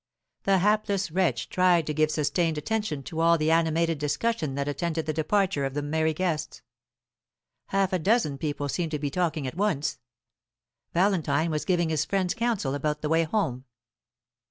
The hapless wretch tried to give sustained attention to all the animated discussion that attended the departure of the merry guests. Half a dozen people seemed to be talking at once. Valentine was giving his friends counsel about the way home.